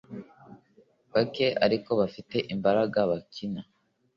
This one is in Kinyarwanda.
bake ariko bafite imbaraga bakina